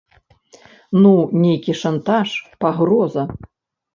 Ну, нейкі шантаж, пагроза.